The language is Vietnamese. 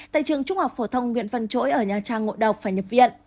tại trường trung học phổ thông nguyễn văn chỗi ở nha trang ngộ độc phải nhập viện